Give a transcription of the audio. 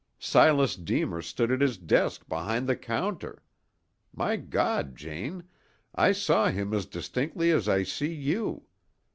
Silas Deemer stood at his desk behind the counter. My God, Jane, I saw him as distinctly as I see you.